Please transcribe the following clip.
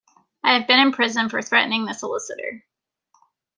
I have been in prison for threatening the solicitor.